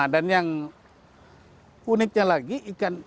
dan yang uniknya lagi ikan